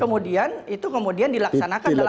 kemudian itu dilaksanakan dalam hal hal tertentu oleh mendagri